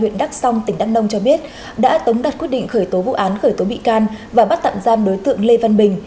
huyện đắk song tỉnh đắk nông cho biết đã tống đặt quyết định khởi tố vụ án khởi tố bị can và bắt tạm giam đối tượng lê văn bình